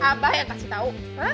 abah yang kasih tahu